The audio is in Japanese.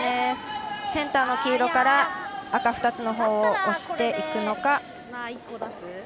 センターの黄色から赤２つのほうを押していくのか。